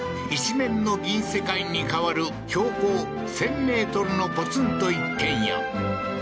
一面の銀世界に変わる標高１０００ｍのポツンと一軒家